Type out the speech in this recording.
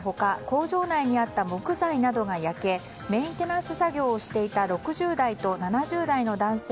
工場内にあった木材などが焼けメンテナンス作業をしていた６０代と７０代の男性